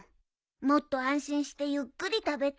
もっと安心してゆっくり食べたい。